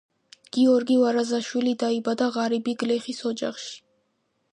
გიორგი ვარაზაშვილი დაიბადა ღარიბი გლეხის ოჯახში.